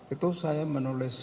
itu saya menulis